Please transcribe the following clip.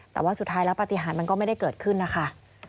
แต่ว่าสุดท้ายแล้วปฏิหารมันก็ไม่ได้เกิดขึ้นนะคะ